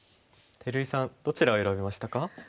照井さんどちらを選びましたか？